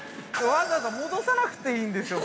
わざわざ戻さなくていいんですよ